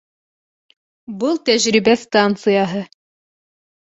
Был тәжрибә станцияһы